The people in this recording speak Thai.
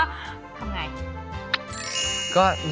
ทำง่าย